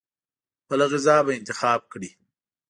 بله غذا به انتخاب کړي.